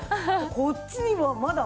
こっちにはまだ。